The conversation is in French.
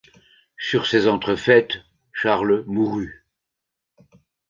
Sur ces entrefaites, Charles mourut.